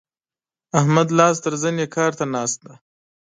احمد لاس تر زنې کار ته ناست دی.